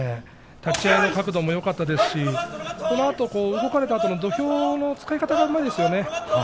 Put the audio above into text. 立ち合いの角度もよかったですしこのあと動かれたあとも土俵の使い方がうまいですよね。